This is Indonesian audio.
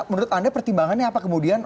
menurut anda pertimbangannya apa kemudian